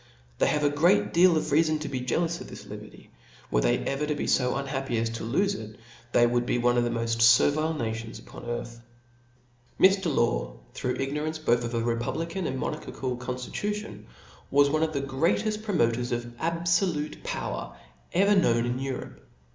They h^ve a great deal of reafon to be jealous of this liberty ; were they ever to be fo unhappy as to lofe it, they would be one of the moft fcrvile nations upon earth, C4 Mff 84 THESPIRIT Cbap. f. Book ^^* Law, through ignorance both of ft repub« J^ lican and monarchical conftitution^ was one of th$ greateft promoters of abiblute power ever knowti in Europe.